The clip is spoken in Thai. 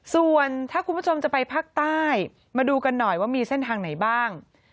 ส่วนถ้าคุณผู้ชมจะไปภาคใต้มาดูกันหน่อยว่ามีเส้นทางไหนบ้าง